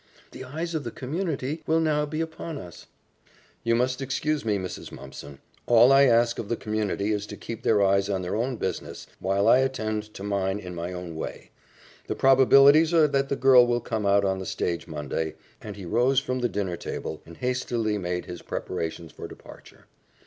The eyes of the community will now be upon us " "You must excuse me, Mrs. Mumpson. All I ask of the community is to keep their eyes on their own business, while I attend to mine in my own way. The probabilities are that the girl will come out on the stage Monday," and he rose from the dinner table and hastily made his preparations for departure.